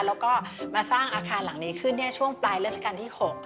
แล้วก็มาสร้างอาคารหลังนี้ขึ้นช่วงปลายราชการที่๖